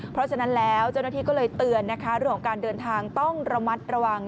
เพราะฉะนั้นแล้วเจ้าหน้าที่ก็เลยเตือนนะคะเรื่องของการเดินทางต้องระมัดระวัง